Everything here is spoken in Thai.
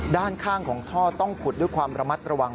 ด้านข้างของท่อต้องขุดด้วยความระมัดระวัง